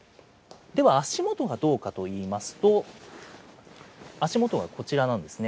では、足元はどうかといいますと、足元はこちらなんですね。